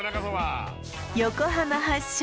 横浜発祥